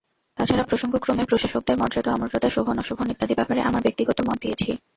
তাছাড়া প্রসঙ্গক্রমে প্রশাসকদের মর্যাদা-অমর্যাদা, শোভন-অশোভন, ইত্যাদি ব্যাপারে আমার ব্যক্তিগত মত দিয়েছি।